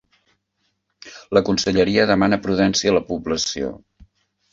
La Conselleria demana prudència a la població.